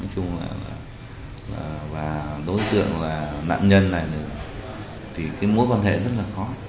nói chung là đối tượng là nạn nhân này thì cái mối quan hệ rất là khó